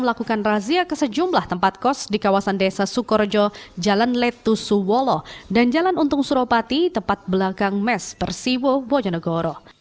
melakukan razia ke sejumlah tempat kos di kawasan desa sukorejo jalan letusuwolo dan jalan untung suropati tempat belakang mes persiwo bojonegoro